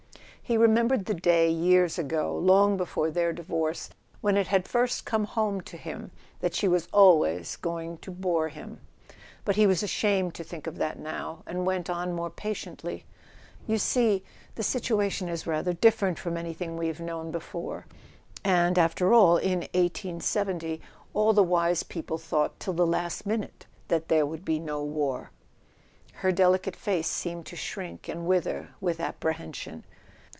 He remembered the day, years ago, long before their divorce, when it had first come home to him that she was always going to bore him. But he was ashamed to think of that now, and went on more patiently: "You see, the situation is rather dif¬ ferent from anything we've known before; and, after all, in 1870 all the wise people thought till the last minute that there would be no war." Her delicate face seemed to shrink and wither with apprehension.